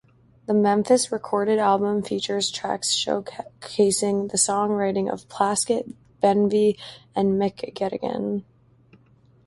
The Memphis-recorded album features tracks showcasing the songwriting of Plaskett, Benvie and McGettigan.